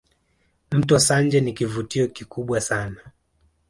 Mto Sanje ni kivutio kikubwa sana